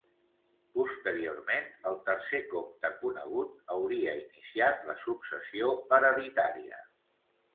Posteriorment el tercer comte conegut hauria iniciat la successió hereditària.